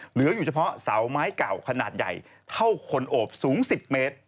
เหลืออยู่เฉพาะเสาไม้เก่าขนาดใหญ่เท่าคนโอบสูง๑๐เมตร